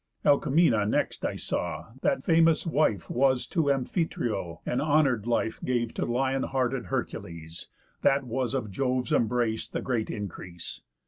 Alcmena next I saw, that famous wife Was to Amphitryo, and honour'd life Gave to the lion hearted Hercules, That was of Jove's embrace the great increase.